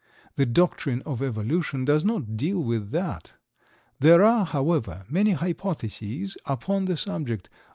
The doctrine of Evolution does not deal with that. There are, however, many hypotheses upon the subject.